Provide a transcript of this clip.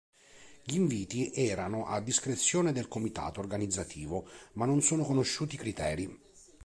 Gli inviti erano a discrezione del comitato organizzativo, ma non sono conosciuti i criteri.